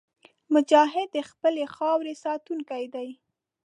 مجاهد د خپلې خاورې ساتونکی دی.